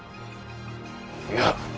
いや。